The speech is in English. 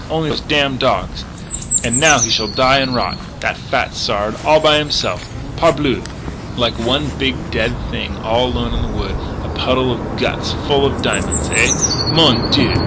Only those damn dog And now he shall die an' rot that fat Sard all by himse'f, parbleu! like one big dead thing all alone in the wood.... A puddle of guts full of diamonds! Ah! mon dieu!